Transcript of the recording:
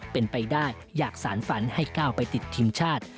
เป็นไปได้อยากสารฝันให้ก้าวไปติดทีมชาติ